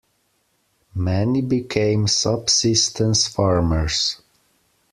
Many became subsistence farmers.